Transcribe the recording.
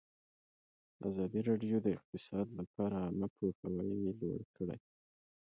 ازادي راډیو د اقتصاد لپاره عامه پوهاوي لوړ کړی.